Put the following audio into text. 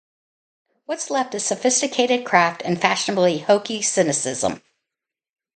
What's left is sophisticated craft and fashionably hokey cynicism.